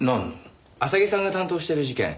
浅木さんが担当している事件